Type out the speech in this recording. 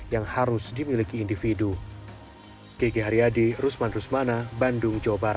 yang harus dimiliki individu